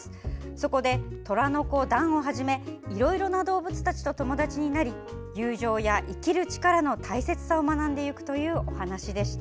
そこで、トラの子ダンをはじめいろいろな動物たちと友達になり友情や、生きる力の大切さを学んでいくというお話でした。